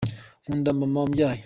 Nkunda mama wambyaye.